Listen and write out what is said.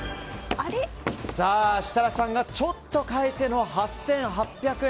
設楽さんがちょっと変えての８８００円。